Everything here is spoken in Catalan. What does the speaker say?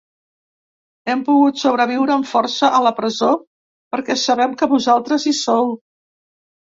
Hem pogut sobreviure amb força a la presó perquè sabem que vosaltres hi sou.